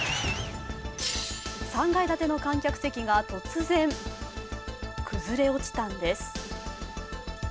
３階建ての観客席が突然崩れ落ちたのです。